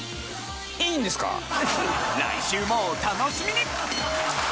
来週もお楽しみに！